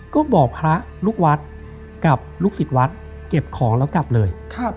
ก็บอกพระลูกวัดกับลูกศิษย์วัดเก็บของแล้วกลับเลย